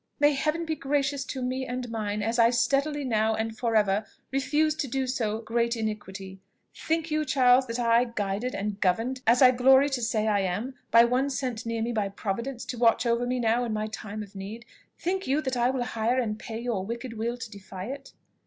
"May Heaven be gracious to me and mine, as I steadily now, and for ever, refuse to do so great iniquity! Think you, Charles, that I, guided and governed, as I glory to say I am, by one sent near me by providence to watch over me now in my time of need, think you that I will hire and pay your wicked will to defy it."